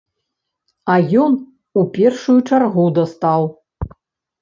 А ён у першую чаргу дастаў.